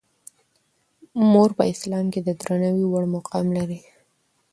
مور په اسلام کې د درناوي وړ مقام لري.